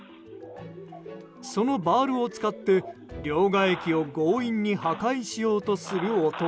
そのバールを使って、両替機を強引に破壊しようとする男。